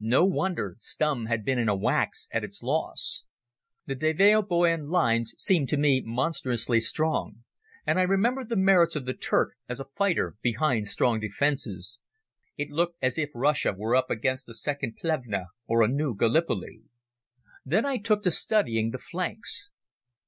No wonder Stumm had been in a wax at its loss. The Deve Boyun lines seemed to me monstrously strong, and I remembered the merits of the Turk as a fighter behind strong defences. It looked as if Russia were up against a second Plevna or a new Gallipoli. Then I took to studying the flanks.